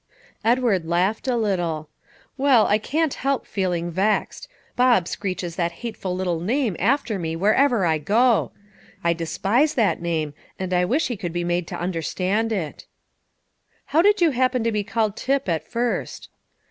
Edward laughed a little. "Well, I can't help feeling vexed; Bob screeches that hateful little name after me wherever I go. I despise that name, and I wish he could be made to understand it." "How did you happen to be called Tip at first?"